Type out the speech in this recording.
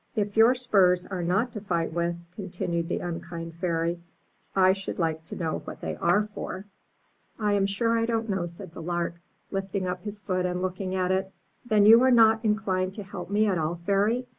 If your spurs are not to fight with," continued the unkind Fairy, "I should like to know what they are for." 361 MY BOOK HOUSE I am sure I don't know/' said the Lark, lifting up his foot and looking at it, 'Then you are not inclined to help me at all, Fairy?